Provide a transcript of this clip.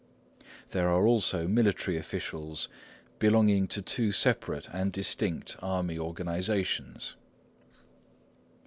There are also military officials, belonging to two separate and distinct army organisations.